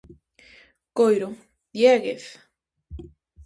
-Coiro, Diéguez!